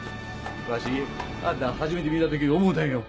わしあんた初めて見た時思うたんよ。